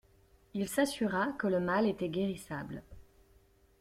Il s'assura que le mal était guérissable.